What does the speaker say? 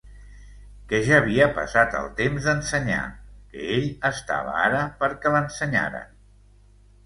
Que ja havia passat el temps d'ensenyar, que ell estava ara perquè l'ensenyaren...